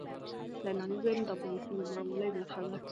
سیلانی ځایونه د افغانستان د بڼوالۍ برخه ده.